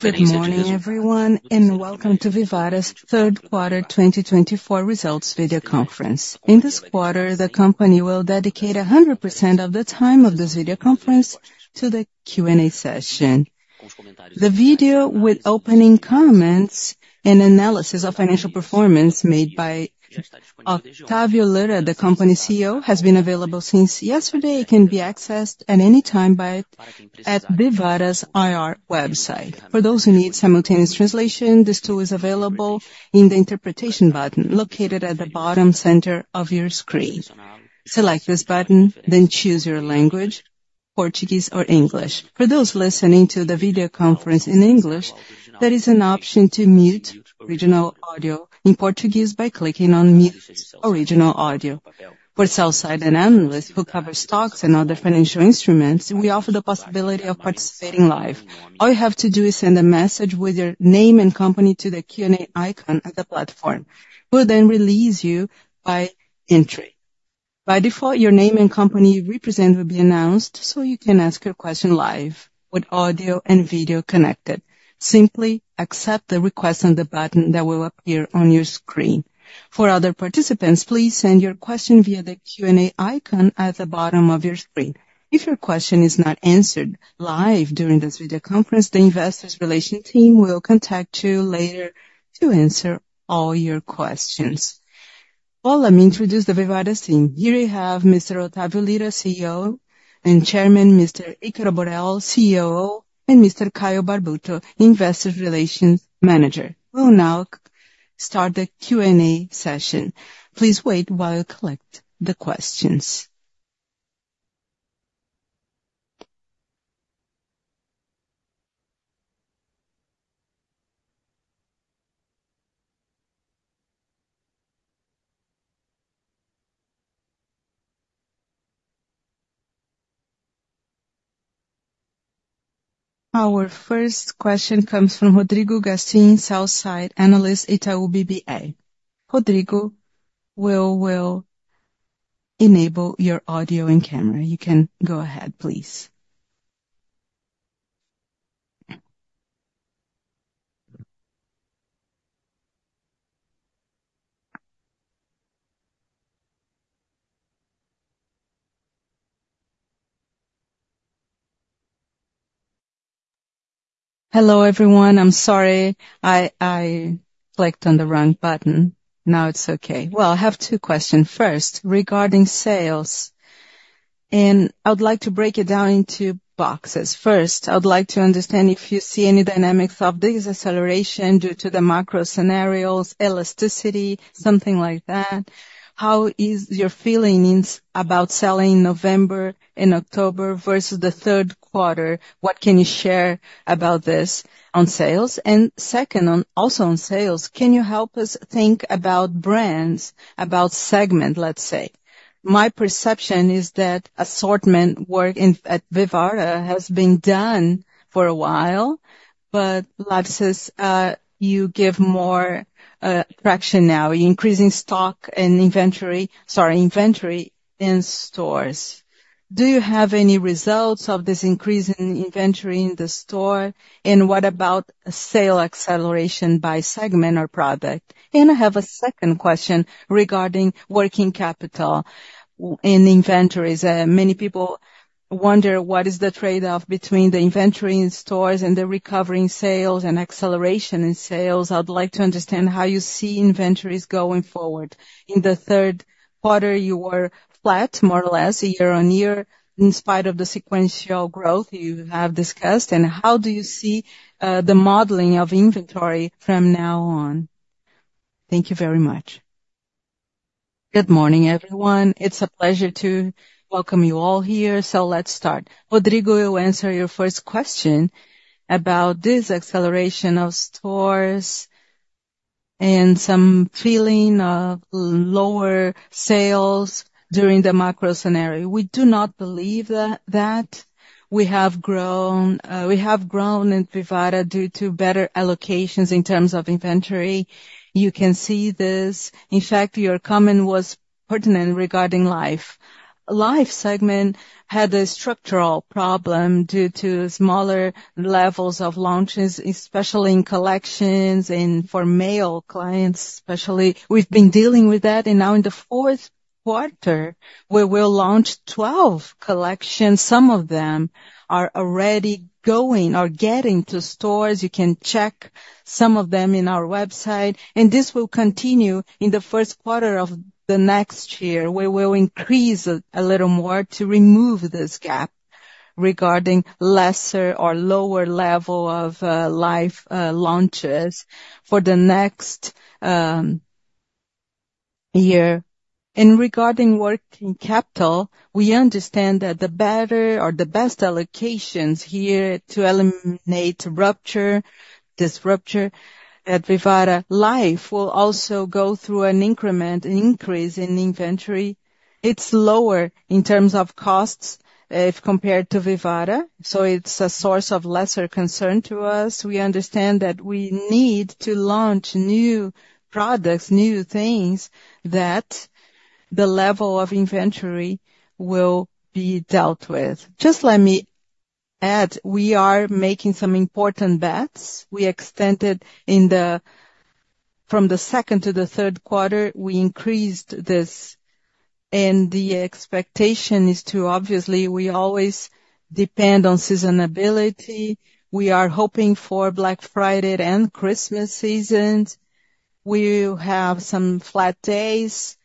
Good evening, everyone, and welcome to Vivara's Third Quarter 2024 results video conference. In this quarter, the company will dedicate 100% of the time of this video conference to the Q&A session. The video with opening comments and analysis of financial performance made by OtávioLyra, the company CEO, has been available since yesterday and can be accessed at any time at Vivara's IR website. For those who need simultaneous translation, this tool is available in the interpretation button located at the bottom center of your screen. Select this button, then choose your language: Portuguese or English. For those listening to the video conference in English, there is an option to mute regional audio in Portuguese by clicking on "Mute Original Audio." For sell-side analysts who cover stocks and other financial instruments, we offer the possibility of participating live. All you have to do is send a message with your name and company to the Q&A icon at the platform. We'll then release you by entry. By default, your name and company represented will be announced, so you can ask your question live with audio and video connected. Simply accept the request on the button that will appear on your screen. For other participants, please send your question via the Q&A icon at the bottom of your screen. If your question is not answered live during this video conference, the investor relations team will contact you later to answer all your questions. Let me introduce the Vivara team. Here you have Mr. Otávio Lyra, CEO and Chairman, Mr. Icaro Borrello, COO, and Mr. Caio Barbudo, Investor Relations Manager. We'll now start the Q&A session. Please wait while I collect the questions. Our first question comes from Rodrigo Gastim, sell-side analyst at Itaú BBA. Rodrigo, we will enable your audio and camera. You can go ahead, please. Hello everyone, I'm sorry, I clicked on the wrong button. Now it's okay. I have two questions. First, regarding sales, and I would like to break it down into buckets. First, I would like to understand if you see any dynamics of this acceleration due to the macro scenarios, elasticity, something like that. How are your feelings about sales in November and October versus the third quarter? What can you share about this on sales? And second, also on sales, can you help us think about brands, about segment, let's say? My perception is that assortment work at Vivara has been done for a while, but Life, say, is giving more traction now, increasing stock and inventory, sorry, inventory in stores. Do you have any results of this increase in inventory in the store? And what about sales acceleration by segment or product? I have a second question regarding working capital in inventories. Many people wonder what is the trade-off between the inventory in stores and the recovering sales and acceleration in sales. I'd like to understand how you see inventories going forward. In the third quarter, you were flat, more or less, year on year, in spite of the sequential growth you have discussed. And how do you see the modeling of inventory from now on? Thank you very much. Good morning, everyone. It's a pleasure to welcome you all here. So let's start. Rodrigo, you answer your first question about this acceleration of stores and some feeling of lower sales during the macro scenario. We do not believe that we have grown in Vivara due to better allocations in terms of inventory. You can see this. In fact, your comment was pertinent regarding Life. Life segment had a structural problem due to smaller levels of launches, especially in collections and for male clients, especially. We've been dealing with that. Now in the fourth quarter, we will launch 12 collections. Some of them are already going or getting to stores. You can check some of them in our website. This will continue in the first quarter of the next year, where we'll increase a little more to remove this gap regarding lesser or lower level of Life launches for the next year. Regarding working capital, we understand that the better or the best allocations here to eliminate this rupture at Vivara Life will also go through an increment, an increase in inventory. It's lower in terms of costs if compared to Vivara, so it's a source of lesser concern to us. We understand that we need to launch new products, new things that the level of inventory will be dealt with. Just let me add, we are making some important bets. We extended from the second to the third quarter. We increased this, and the expectation is to, obviously, we always depend on seasonality. We are hoping for Black Friday and Christmas season. We have some flat days,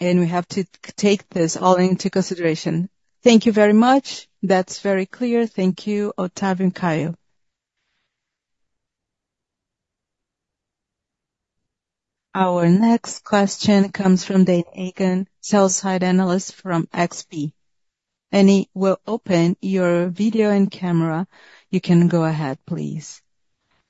and we have to take this all into consideration. Thank you very much. That's very clear. Thank you, Otavio and Caio. Our next question comes from Danniela Eiger, sell-side analyst from XP. Danniela, we'll open your video and camera. You can go ahead, please.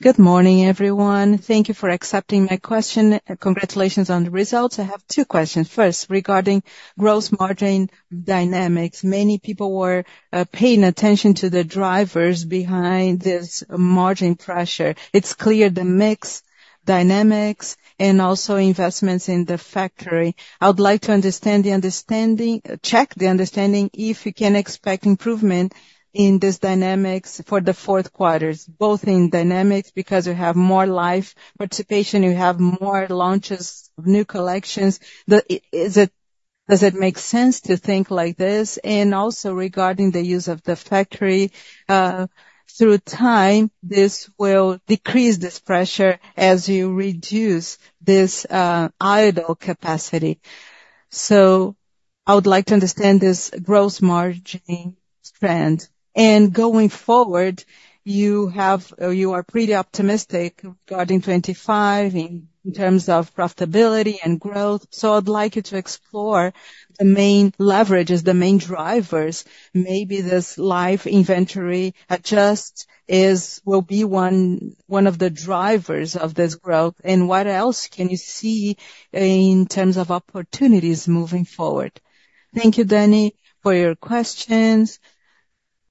Good morning, everyone. Thank you for accepting my question. Congratulations on the results. I have two questions. First, regarding gross margin dynamics, many people were paying attention to the drivers behind this margin pressure. It's clear the mix dynamics and also investments in the factory. I would like to check the understanding if you can expect improvement in this dynamics for the fourth quarter both in dynamics because we have more Life participation, you have more launches of new collections. Does it make sense to think like this, and also regarding the use of the factory, through time, this will decrease this pressure as you reduce this idle capacity, so I would like to understand this gross margin trend, and going forward, you are pretty optimistic regarding 2025 in terms of profitability and growth, so I'd like you to explore the main leverages, the main drivers. Maybe this Life inventory adjustment will be one of the drivers of this growth, and what else can you see in terms of opportunities moving forward? Thank you, Dani, for your questions.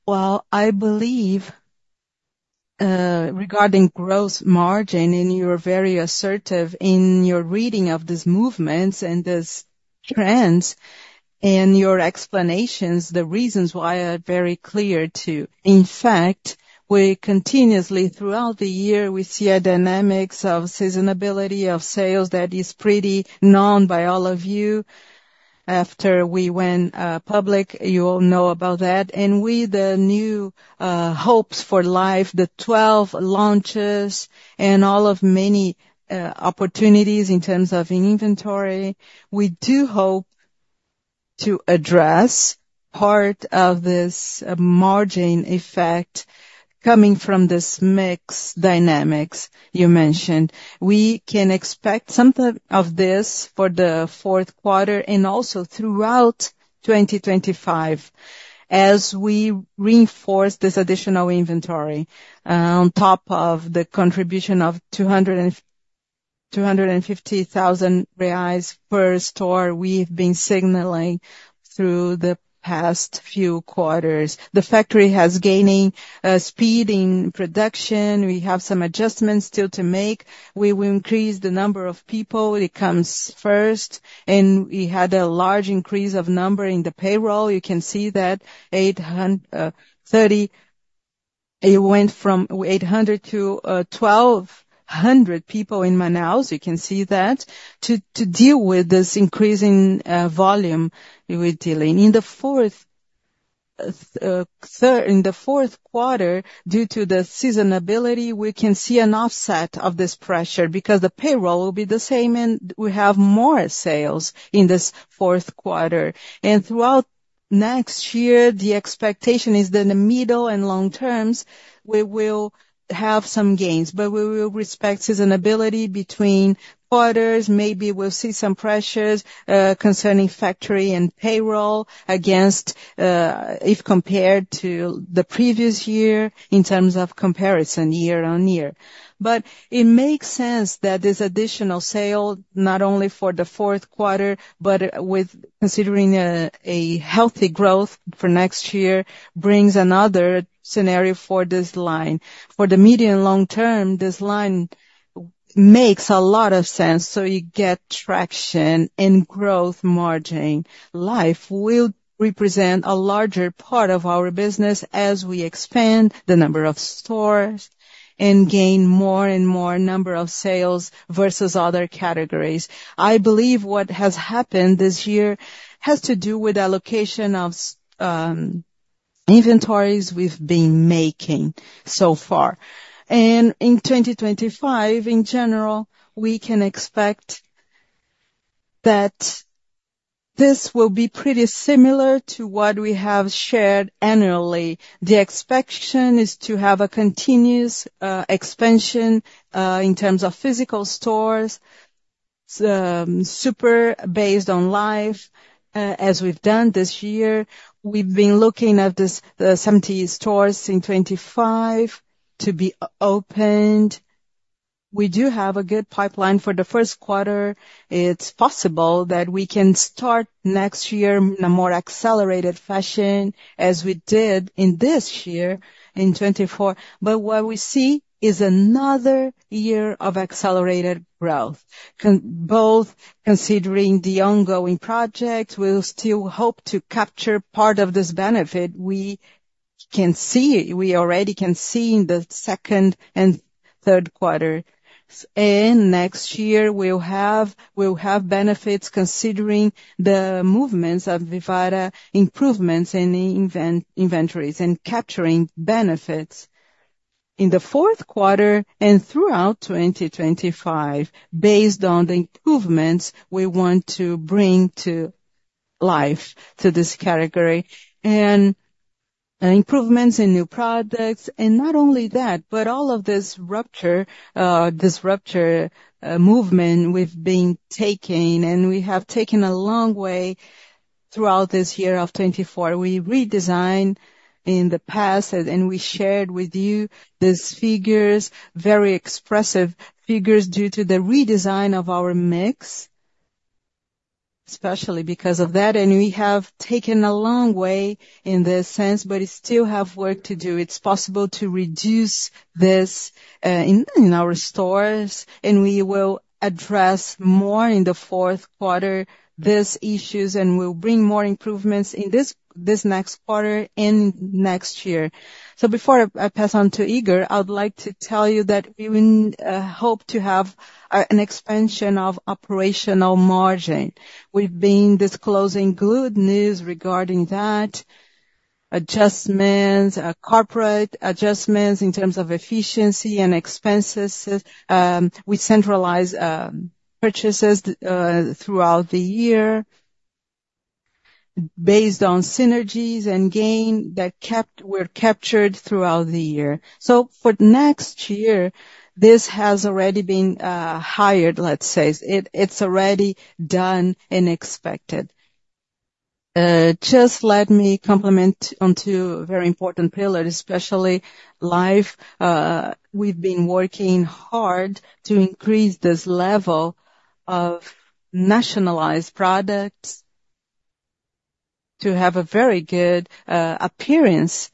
I believe regarding gross margin, and you were very assertive in your reading of these movements and these trends in your explanations, the reasons why are very clear too. In fact, we continuously throughout the year, we see a dynamics of seasonality of sales that is pretty known by all of you. After we went public, you all know about that. And with the new hopes for Life, the 12 launches, and all of many opportunities in terms of inventory, we do hope to address part of this margin effect coming from this mix dynamics you mentioned. We can expect something of this for the fourth quarter and also throughout 2025 as we reinforce this additional inventory on top of the contribution of 250,000 reais per store we've been signaling through the past few quarters. The factory has gained speed in production. We have some adjustments still to make. We will increase the number of people. It comes first, and we had a large increase of number in the payroll. You can see that 830, it went from 800 to 1,200 people in Manaus. You can see that to deal with this increasing volume we're dealing. In the fourth quarter, due to the seasonality, we can see an offset of this pressure because the payroll will be the same, and we have more sales in this fourth quarter. And throughout next year, the expectation is that in the middle and long terms, we will have some gains, but we will respect seasonality between quarters. Maybe we'll see some pressures concerning factory and payroll if compared to the previous year in terms of comparison year on year. But it makes sense that this additional sale, not only for the fourth quarter, but considering a healthy growth for next year, brings another scenario for this line. For the medium and long term, this line makes a lot of sense. So you get traction and growth margin. Life will represent a larger part of our business as we expand the number of stores and gain more and more number of sales versus other categories. I believe what has happened this year has to do with allocation of inventories we've been making so far. And in 2025, in general, we can expect that this will be pretty similar to what we have shared annually. The expectation is to have a continuous expansion in terms of physical stores, super based on Life, as we've done this year. We've been looking at the 70 stores in 2025 to be opened. We do have a good pipeline for the first quarter. It's possible that we can start next year in a more accelerated fashion as we did in this year in 2024. But what we see is another year of accelerated growth, both considering the ongoing projects. We'll still hope to capture part of this benefit. We can see it. We already can see in the second and third quarter. Next year, we'll have benefits considering the movements of Vivara improvements in inventories and capturing benefits in the fourth quarter and throughout 2025 based on the improvements we want to bring to Life to this category, and improvements in new products. Not only that, but all of this rupture, this rupture movement we've been taking, and we have taken a long way throughout this year of 2024. We redesigned in the past, and we shared with you these figures, very expressive figures due to the redesign of our mix, especially because of that, and we have taken a long way in this sense, but we still have work to do. It's possible to reduce this in our stores, and we will address more in the fourth quarter these issues, and we'll bring more improvements in this next quarter and next year, so before I pass on to Ícaro, I would like to tell you that we hope to have an expansion of operational margin. We've been disclosing good news regarding that, adjustments, corporate adjustments in terms of efficiency and expenses. We centralize purchases throughout the year based on synergies and gain that were captured throughout the year, so for next year, this has already been hired, let's say. It's already done and expected. Just let me complement onto a very important pillar, especially Life. We've been working hard to increase this level of nationalized products to have a very good appearance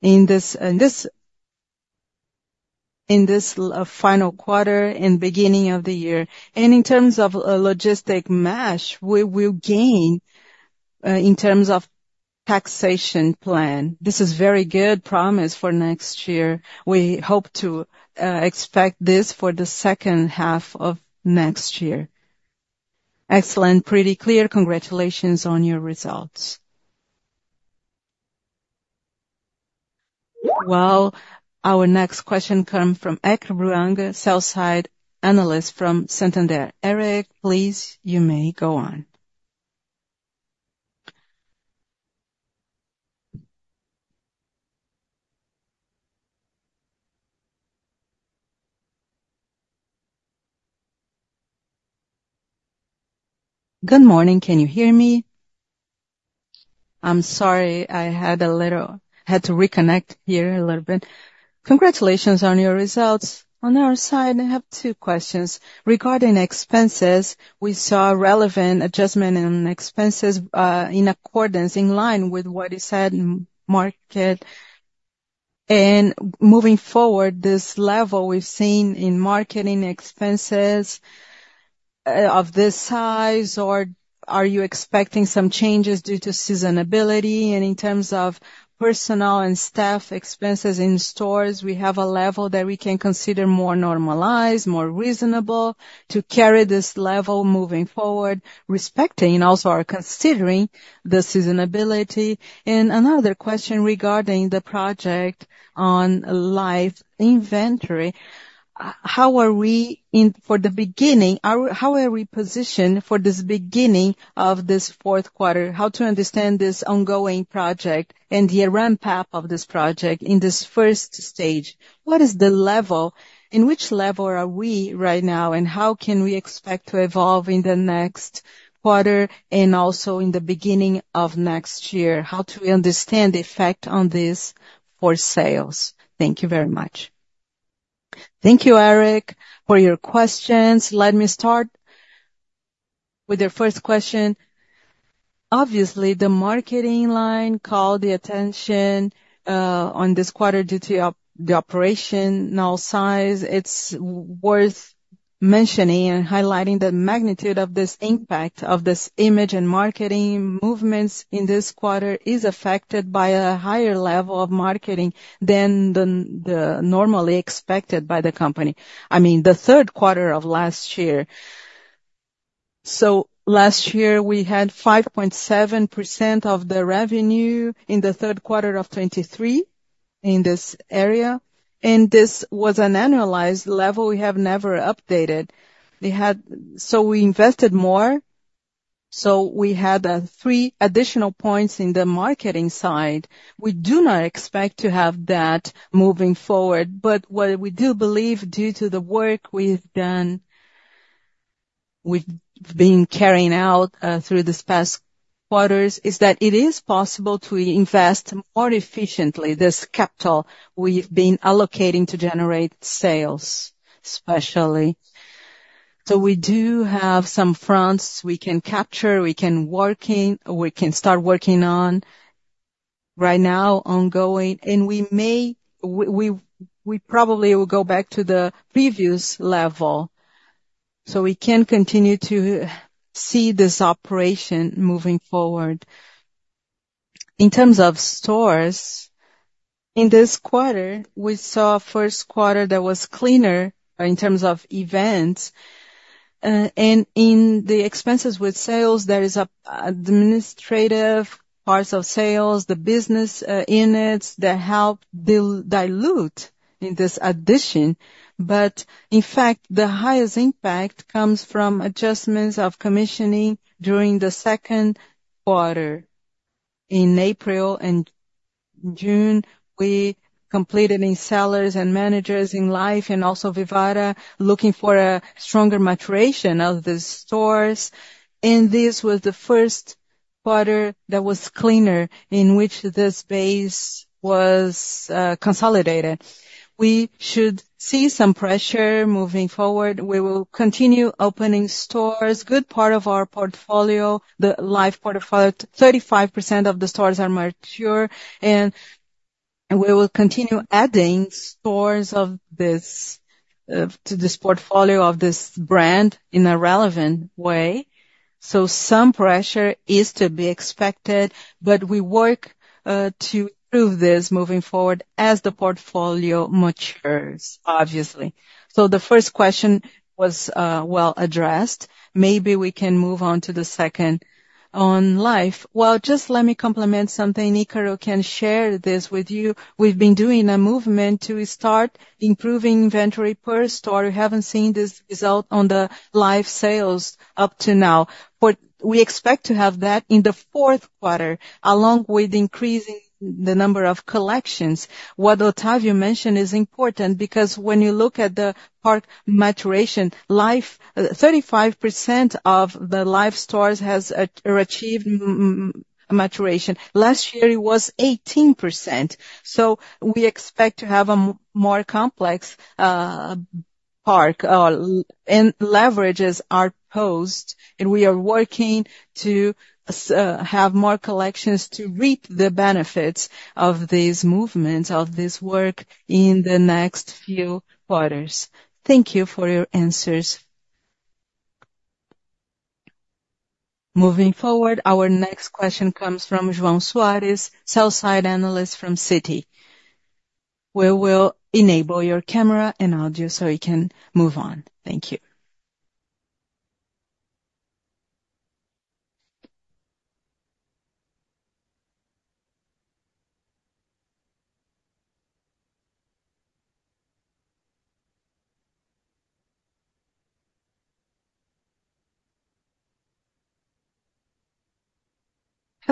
in this final quarter and beginning of the year. And in terms of logistic mesh, we will gain in terms of taxation plan. This is a very good promise for next year. We hope to expect this for the second half of next year. Excellent. Pretty clear. Congratulations on your results. Our next question comes from Eric Huang, sell-side analyst from Santander. Eric, please, you may go on. Good morning. Can you hear me? I'm sorry. I had to reconnect here a little bit. Congratulations on your results. On our side, I have two questions. Regarding expenses, we saw a relevant adjustment in expenses in accordance, in line with what you said in market. Moving forward, this level we've seen in marketing expenses of this size, or are you expecting some changes due to seasonality? In terms of personal and staff expenses in stores, we have a level that we can consider more normalized, more reasonable to carry this level moving forward, respecting and also considering the seasonality. Another question regarding the project on Life inventory. How are we for the beginning? How are we positioned for this beginning of this fourth quarter? How to understand this ongoing project and the ramp-up of this project in this first stage? What is the level? In which level are we right now, and how can we expect to evolve in the next quarter and also in the beginning of next year? How to understand the effect on this for sales? Thank you very much. Thank you, Eric, for your questions. Let me start with your first question. Obviously, the marketing line called the attention on this quarter due to the operational size. It's worth mentioning and highlighting the magnitude of this impact of this image and marketing movements in this quarter is affected by a higher level of marketing than normally expected by the company. I mean, the third quarter of last year. So last year, we had 5.7% of the revenue in the third quarter of 2023 in this area. And this was an annualized level. We have never updated. So we invested more. So we had three additional points in the marketing side. We do not expect to have that moving forward. But what we do believe, due to the work we've been carrying out through these past quarters, is that it is possible to invest more efficiently this capital we've been allocating to generate sales, especially. So we do have some fronts we can capture. We can start working on right now, ongoing. And we probably will go back to the previous level. So we can continue to see this operation moving forward. In terms of stores, in this quarter, we saw a first quarter that was cleaner in terms of events. And in the expenses with sales, there is an administrative part of sales, the business units that help dilute in this addition. But in fact, the highest impact comes from adjustments of commissioning during the second quarter. In April and June, we completed in sellers and managers in Life and also Vivara, looking for a stronger maturation of the stores. And this was the first quarter that was cleaner in which this base was consolidated. We should see some pressure moving forward. We will continue opening stores. good part of our portfolio, the Life portfolio, 35% of the stores are mature, and we will continue adding stores to this portfolio of this brand in a relevant way, so some pressure is to be expected, but we work to improve this moving forward as the portfolio matures, obviously, so the first question was well addressed. Maybe we can move on to the second on Life. Well, just let me complement something. Ícaro can share this with you. We've been doing a movement to start improving inventory per store. We haven't seen this result on the Life sales up to now. We expect to have that in the fourth quarter, along with increasing the number of collections. What Otavio mentioned is important because when you look at the park maturation, 35% of the Life stores have achieved maturation. Last year, it was 18%. So we expect to have a more complex park and leverages are posed. And we are working to have more collections to reap the benefits of these movements, of this work in the next few quarters. Thank you for your answers. Moving forward, our next question comes from João Soares, sell-side analyst from Citi. We will enable your camera and audio so you can move on. Thank you.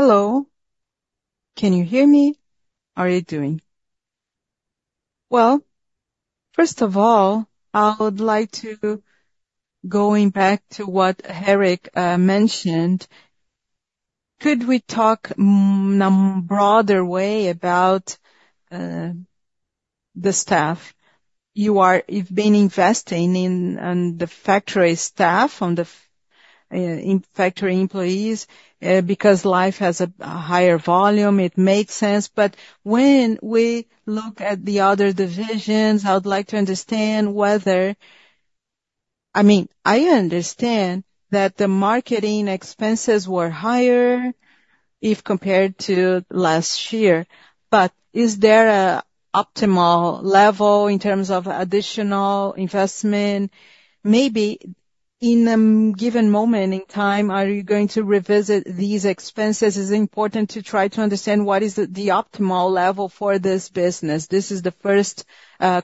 Hello. Can you hear me? How are you doing? Well, first of all, I would like to go back to what Eric mentioned. Could we talk in a broader way about the staff? You've been investing in the factory staff, in factory employees, because Life has a higher volume. It makes sense. But when we look at the other divisions, I would like to understand whether I mean, I understand that the marketing expenses were higher if compared to last year. But is there an optimal level in terms of additional investment? Maybe in a given moment in time, are you going to revisit these expenses? It's important to try to understand what is the optimal level for this business. This is the first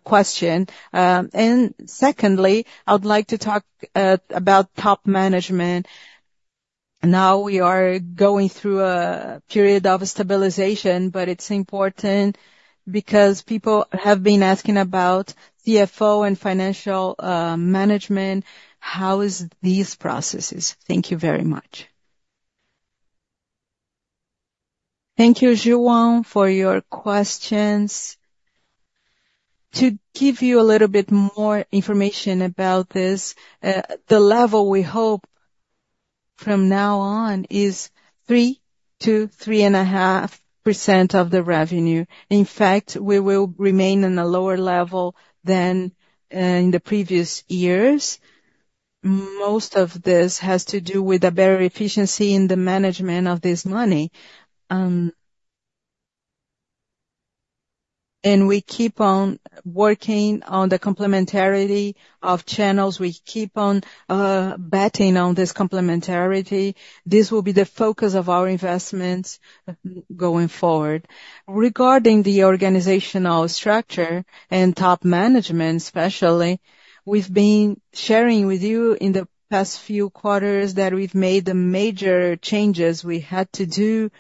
question. And secondly, I would like to talk about top management. Now we are going through a period of stabilization, but it's important because people have been asking about CFO and financial management. How is these processes? Thank you very much. Thank you, João, for your questions. To give you a little bit more information about this, the level we hope from now on is 3%-3.5% of the revenue. In fact, we will remain on a lower level than in the previous years. Most of this has to do with a better efficiency in the management of this money. We keep on working on the complementarity of channels. We keep on betting on this complementarity. This will be the focus of our investments going forward. Regarding the organizational structure and top management, especially, we've been sharing with you in the past few quarters that we've made the major changes we had to do.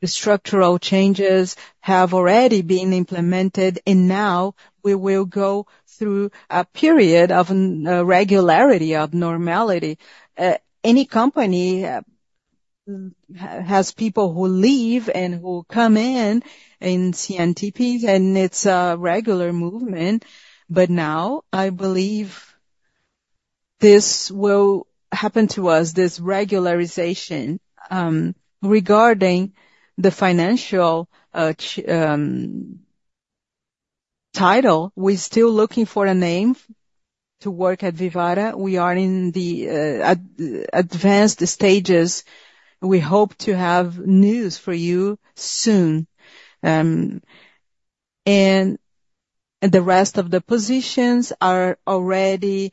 The structural changes have already been implemented, and now we will go through a period of regularity, of normality. Any company has people who leave and who come in in CNTPs, and it's a regular movement, but now, I believe this will happen to us, this regularization. Regarding the financial title, we're still looking for a name to work at Vivara. We are in the advanced stages. We hope to have news for you soon, and the rest of the positions are already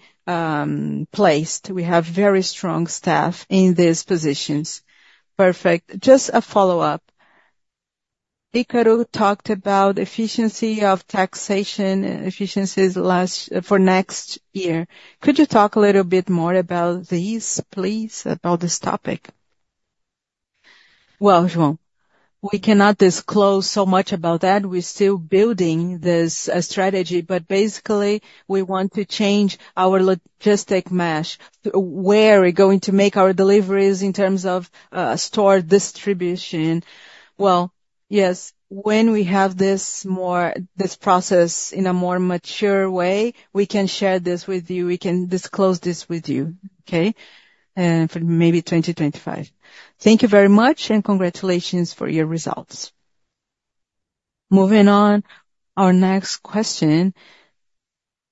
placed. We have very strong staff in these positions. Perfect. Just a follow-up. Ícaro talked about efficiency of taxation efficiencies for next year. Could you talk a little bit more about these, please, about this topic? Well, João, we cannot disclose so much about that. We're still building this strategy. But basically, we want to change our logistic mesh. Where are we going to make our deliveries in terms of store distribution? Well, yes, when we have this process in a more mature way, we can share this with you. We can disclose this with you, okay, for maybe 2025. Thank you very much, and congratulations for your results. Moving on, our next question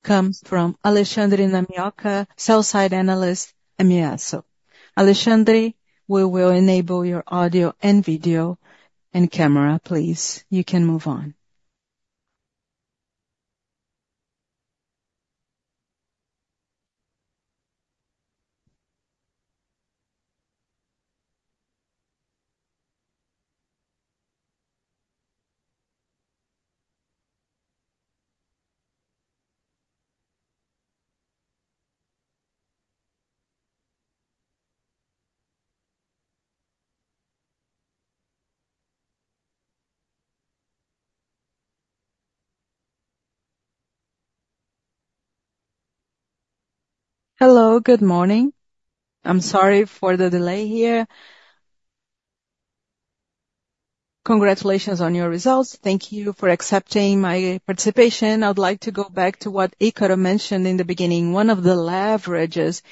comes from Alexandre Namioka, sell-side analyst, EMEASO. Alexandre, we will enable your audio and video and camera, please. You can move on. Hello, good morning. I'm sorry for the delay here. Congratulations on your results. Thank you for accepting my participation. I'd like to go back to what Ícaro mentioned in the beginning. One of the leverages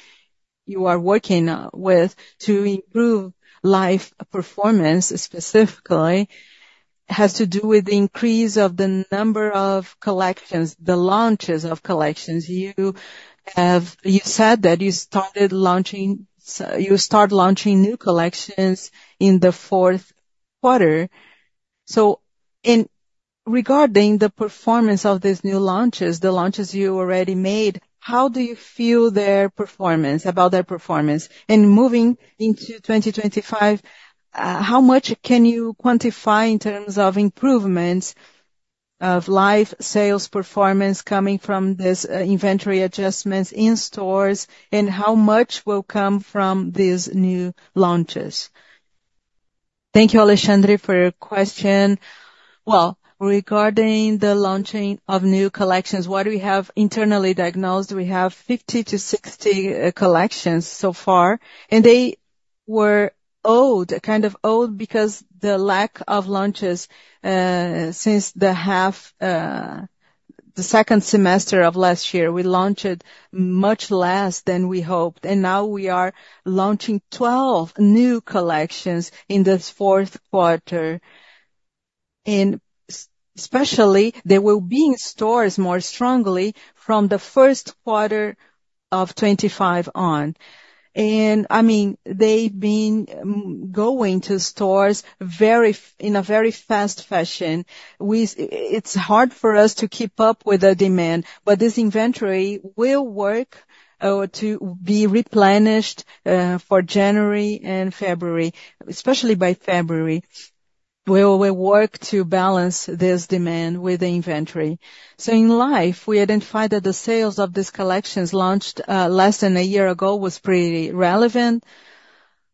you are working with to improve Life performance specifically has to do with the increase of the number of collections, the launches of collections. You said that you started launching new collections in the fourth quarter. So regarding the performance of these new launches, the launches you already made, how do you feel about their performance? And moving into 2025, how much can you quantify in terms of improvements of Life sales performance coming from these inventory adjustments in stores, and how much will come from these new launches? Thank you, Alexandre, for your question. Regarding the launching of new collections, what we have internally diagnosed, we have 50 to 60 collections so far. And they were kind of old because of the lack of launches since the second semester of last year. We launched much less than we hoped, and now we are launching 12 new collections in this fourth quarter, and especially, they will be in stores more strongly from the first quarter of 2025 on, and I mean, they've been going to stores in a very fast fashion. It's hard for us to keep up with the demand, but this inventory will work to be replenished for January and February, especially by February. We will work to balance this demand with the inventory, so in Life, we identified that the sales of these collections launched less than a year ago was pretty relevant.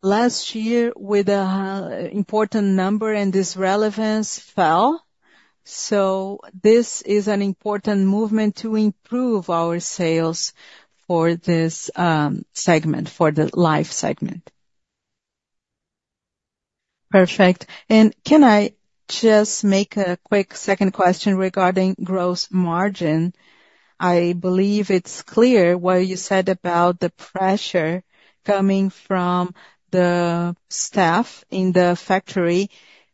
Last year, with an important number, and this relevance fell. So this is an important movement to improve our sales for this segment, for the Life segment. Perfect, and can I just make a quick second question regarding gross margin? I believe it's clear what you said about the pressure coming from the staff in the factory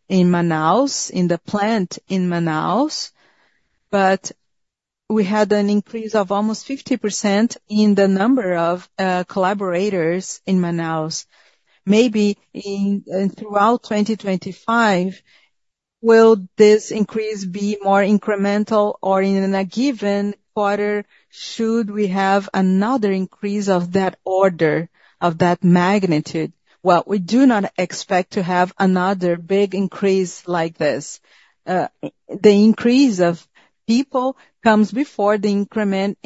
in Manaus, in the plant in Manaus, but we had an increase of almost 50% in the number of collaborators in Manaus. Maybe throughout 2025, will this increase be more incremental? Or in a given quarter, should we have another increase of that order, of that magnitude? Well, we do not expect to have another big increase like this. The increase of people comes before the increment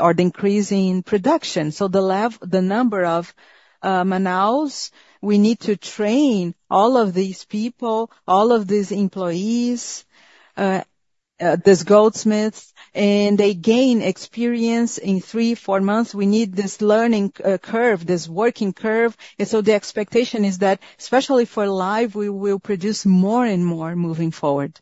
or the increase in production. So the number in Manaus, we need to train all of these people, all of these employees, these goldsmiths. And they gain experience in three, four months. We need this learning curve, this working curve. And so the expectation is that, especially for Life, we will produce more and more moving forward.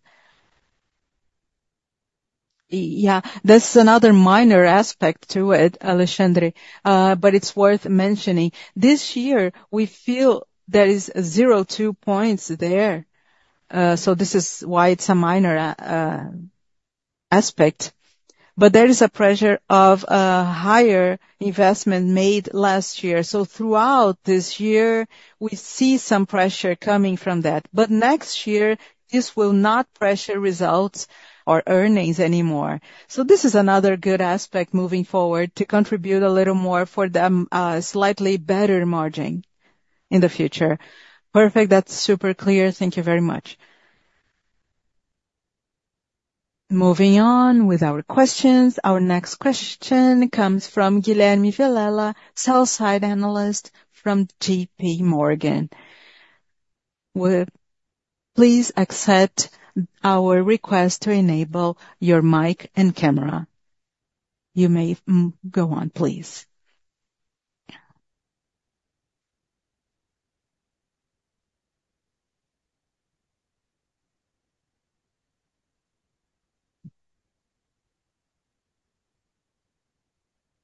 Yeah, that's another minor aspect to it, Alexandre, but it's worth mentioning. This year, we feel there are 0 to 2 points there. So this is why it's a minor aspect. But there is a pressure of a higher investment made last year. So throughout this year, we see some pressure coming from that. But next year, this will not pressure results or earnings anymore. So this is another good aspect moving forward to contribute a little more for them a slightly better margin in the future. Perfect. That's super clear. Thank you very much. Moving on with our questions, our next question comes from Guilherme Vilela, sell-side analyst from J.P. Morgan. Please accept our request to enable your mic and camera. You may go on, please.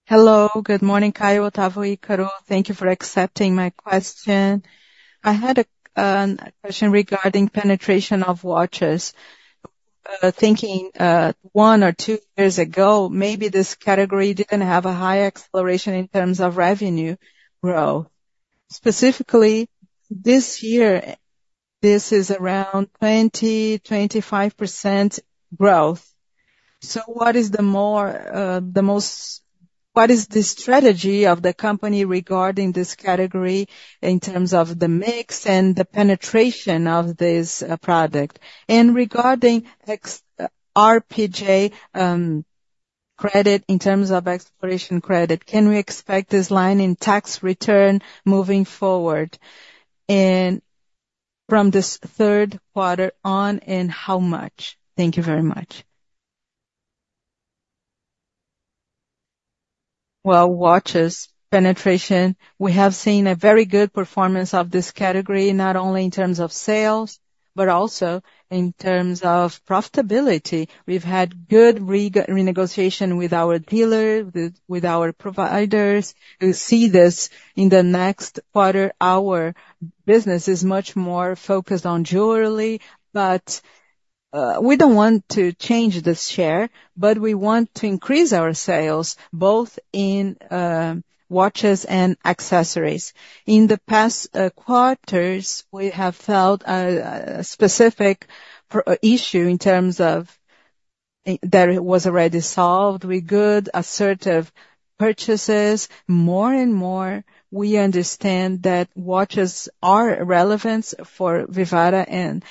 Hello, good morning. Caio, Otávio, Ícaro, thank you for accepting my question. I had a question regarding penetration of watches. Thinking one or two years ago, maybe this category didn't have a high acceleration in terms of revenue growth. Specifically, this year, this is around 20%-25% growth. So what is the strategy of the company regarding this category in terms of the mix and the penetration of this product? And regarding RPJ credit in terms of Exploration Profit benefit, can we expect this line in tax return moving forward? And from this third quarter on, and how much? Thank you very much. Watches, penetration, we have seen a very good performance of this category, not only in terms of sales, but also in terms of profitability. We've had good renegotiation with our dealers, with our providers. We see this in the next quarter. Our business is much more focused on jewelry, but we don't want to change this share, but we want to increase our sales, both in watches and accessories. In the past quarters, we have felt a specific issue in terms of that it was already solved with good assertive purchases. More and more, we understand that watches are relevant for Vivara and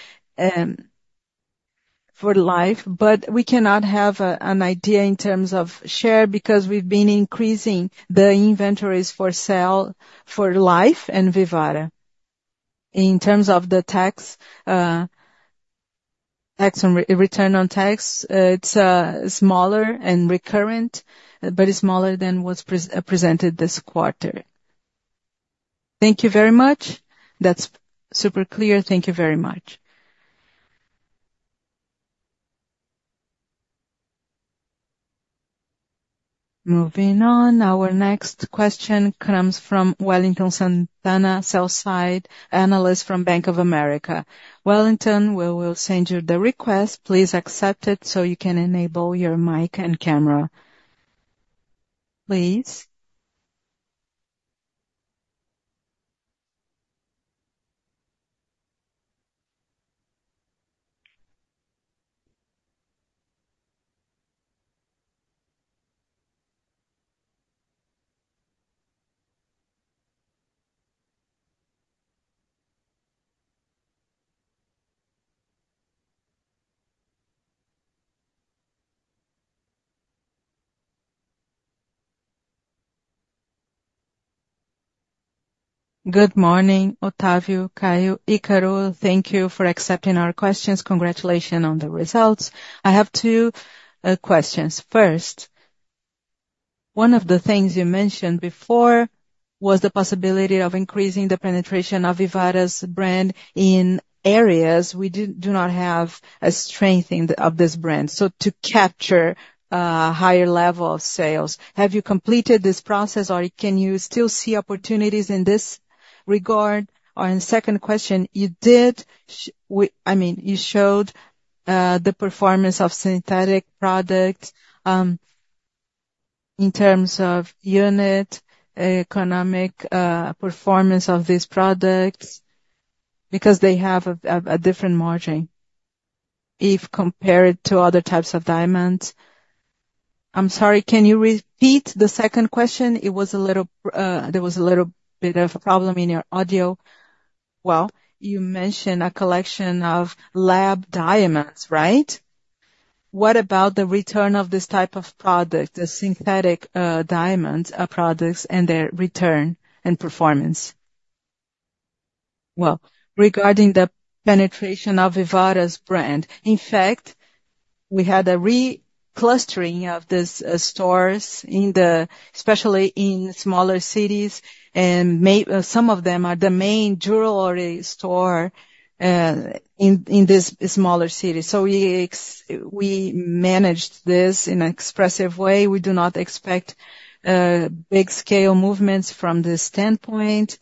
for Life, but we cannot have an idea in terms of share because we've been increasing the inventories for sale for Life and Vivara. In terms of the tax return on tax, it's smaller and recurrent, but it's smaller than what's presented this quarter. Thank you very much. That's super clear. Thank you very much. Moving on, our next question comes from Wellington Santana, sell-side analyst from Bank of America. Wellington, we will send you the request. Please accept it so you can enable your mic and camera. Please. Good morning, Otávio, Caio, Ícaro. Thank you for accepting our questions. Congratulations on the results. I have two questions. First, one of the things you mentioned before was the possibility of increasing the penetration of Vivara's brand in areas we do not have a strength of this brand. So to capture a higher level of sales, have you completed this process, or can you still see opportunities in this regard? Or in the second question, you did, I mean, you showed the performance of synthetic products in terms of unit economic performance of these products because they have a different margin if compared to other types of diamonds. I'm sorry, can you repeat the second question? It was a little bit of a problem in your audio. Well, you mentioned a collection of lab diamonds, right? What about the return of this type of product, the synthetic diamond products and their return and performance? Well, regarding the penetration of Vivara's brand, in fact, we had a reclustering of these stores especially in smaller cities, and some of them are the main jewelry store in these smaller cities. So we managed this in an expressive way. We do not expect big-scale movements from this standpoint.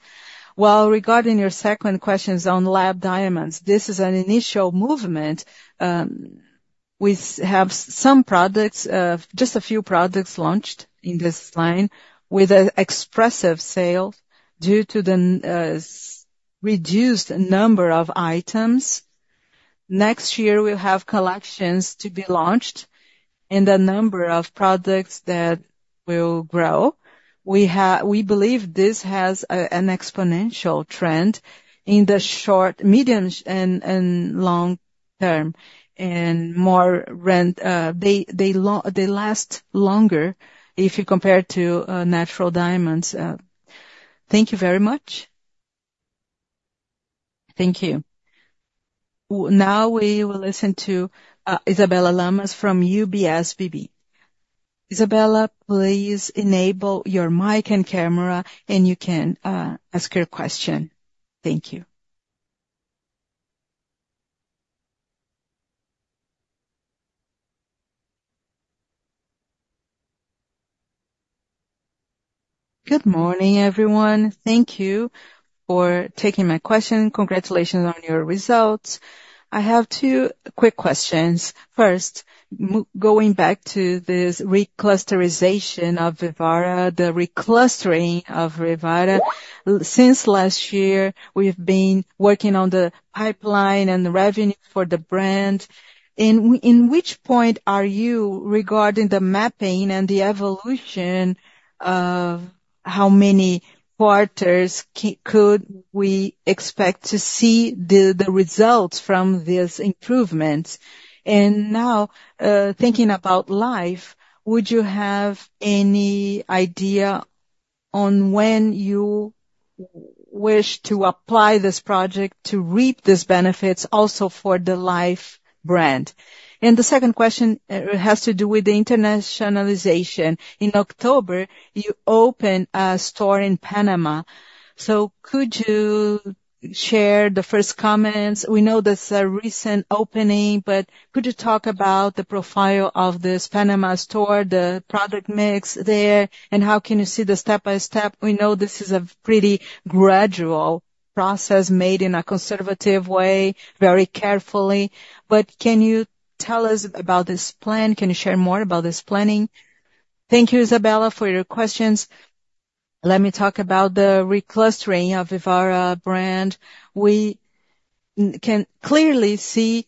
Well, regarding your second questions on lab diamonds, this is an initial movement. We have some products, just a few products launched in this line with expressive sales due to the reduced number of items. Next year, we'll have collections to be launched and a number of products that will grow. We believe this has an exponential trend in the short, medium, and long term. And they last longer if you compare to natural diamonds. Thank you very much. Thank you. Now we will listen to Isabela Simonato from UBS BB. Isabela, please enable your mic and camera, and you can ask your question. Thank you. Good morning, everyone. Thank you for taking my question. Congratulations on your results. I have two quick questions. First, going back to this reclustering of Vivara, the reclustering of Vivara, since last year, we've been working on the pipeline and the revenue for the brand, and in which point are you regarding the mapping and the evolution of how many quarters could we expect to see the results from these improvements, and now, thinking about Life, would you have any idea on when you wish to apply this project to reap these benefits also for the Life brand, and the second question has to do with the internationalization. In October, you opened a store in Panama, so could you share the first comments? We know this is a recent opening, but could you talk about the profile of this Panama store, the product mix there, and how can you see the step-by-step? We know this is a pretty gradual process made in a conservative way, very carefully. But can you tell us about this plan? Can you share more about this planning? Thank you, Isabela, for your questions. Let me talk about the reclustering of Vivara brand. We can clearly see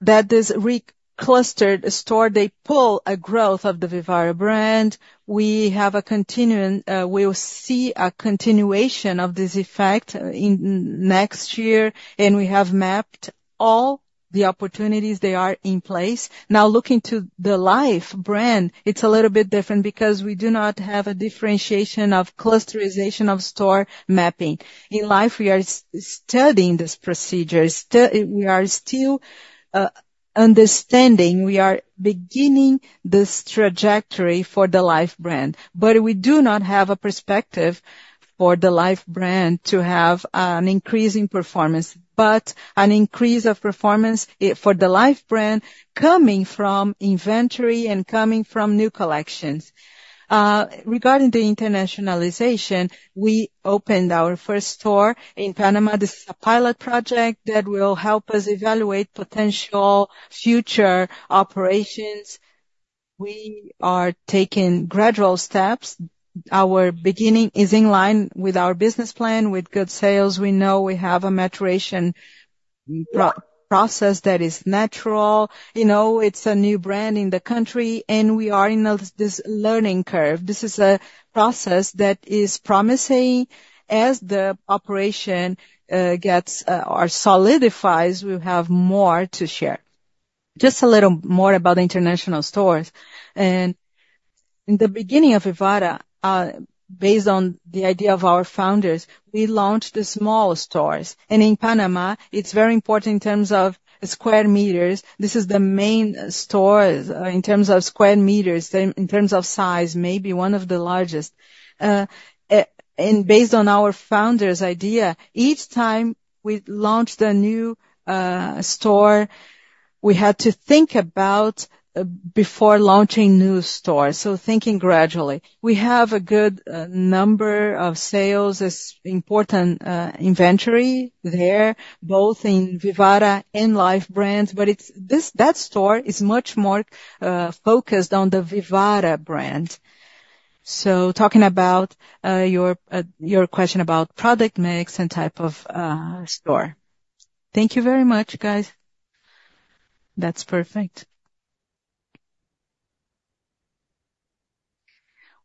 that this reclustered store, they pull a growth of the Vivara brand. We have a continuing we will see a continuation of this effect next year. And we have mapped all the opportunities they are in place. Now, looking to the Life brand, it's a little bit different because we do not have a differentiation of clusterization of store mapping. In Life, we are studying this procedure. We are still understanding we are beginning this trajectory for the Life brand. But we do not have a perspective for the Life brand to have an increase in performance, but an increase of performance for the Life brand coming from inventory and coming from new collections. Regarding the internationalization, we opened our first store in Panama. This is a pilot project that will help us evaluate potential future operations. We are taking gradual steps. Our beginning is in line with our business plan, with good sales. We know we have a maturation process that is natural. It's a new brand in the country, and we are in this learning curve. This is a process that is promising. As the operation gets or solidifies, we'll have more to share. Just a little more about the international stores. And in the beginning of Vivara, based on the idea of our founders, we launched the small stores. And in Panama, it's very important in terms of square meters. This is the main store in terms of square meters, in terms of size, maybe one of the largest. And based on our founders' idea, each time we launched a new store, we had to think about before launching new stores. So thinking gradually. We have a good number of sales, important inventory there, both in Vivara and Life brands. But that store is much more focused on the Vivara brand. So talking about your question about product mix and type of store. Thank you very much, guys. That's perfect.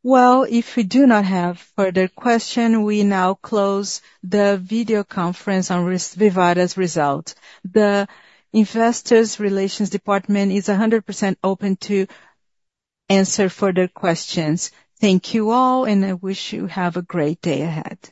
Well, if we do not have further questions, we now close the video conference on Vivara's result. The Investor Relations department is 100% open to answer further questions. Thank you all, and I wish you have a great day ahead.